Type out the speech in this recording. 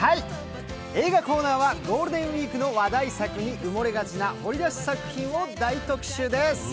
映画コーナーはゴールデンウイークの話題作に埋もれがちな掘り出し作品を大特集です。